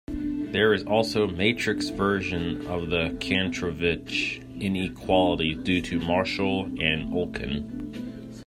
There is also Matrix version of the Kantrovich inequality due to Marshall and Olkin.